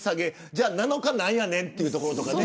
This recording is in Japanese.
じゃあ７日は何やねんというところ。